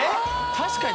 確かに。